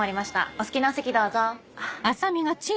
お好きなお席どうぞ。